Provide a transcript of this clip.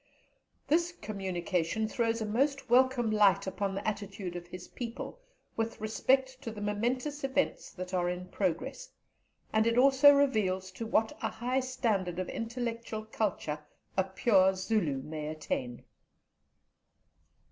This communication throws a most welcome light upon the attitude of his people with respect to the momentous events that are in progress, and also it reveals to what a high standard of intellectual culture a pure Zulu may attain."